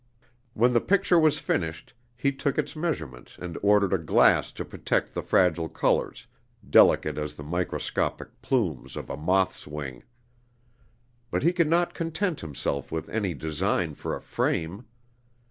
When the picture was finished, he took its measurements and ordered a glass to protect the fragile colors, delicate as the microscopic plumes of a moth's wing. But he could not content himself with any design for a frame.